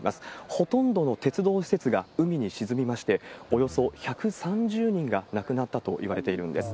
ほとんどの鉄道施設が海に沈みまして、およそ１３０人が亡くなったといわれているんです。